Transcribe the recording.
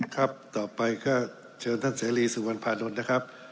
ครับต่อไปก็เชิญท่านเสรีสุวรรณภานนท์นะครับ